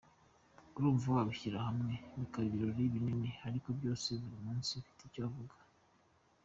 Urumva wabishyira hamwe bikaba ibirori binini…Ariko byose buri munsi ufite icyo uvuga.